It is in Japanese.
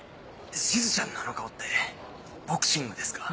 しずちゃんのあの顔ってボクシングですか？